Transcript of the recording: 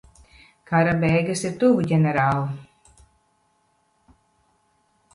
Kara beigas ir tuvu, ģenerāl.